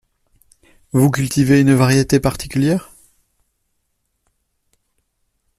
Vous cultivez une variété particulière?